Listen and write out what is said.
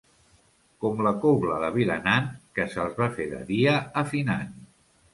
Com la cobla de Vilanant, que se'ls va fer de dia afinant.